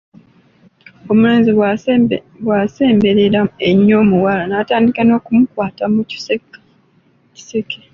Omulenzi bw’asemberera ennyo omuwala n’atandika n’okumukwata mu kiseke.